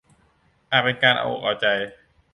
อาจเป็นการเอาอกเอาใจ